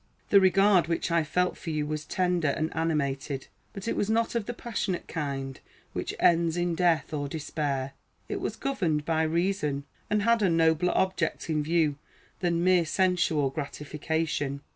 The regard which I felt for you was tender and animated, but it was not of that passionate kind which ends in death or despair. It was governed by reason, and had a nobler object in view than mere sensual gratification.